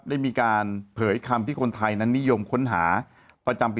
ได้มีการเผยคำที่คนไทยนั้นนิยมค้นหาประจำปี